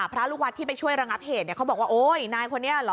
พระลูกวัดที่ไปช่วยระงับเหตุเนี่ยเขาบอกว่าโอ๊ยนายคนนี้เหรอ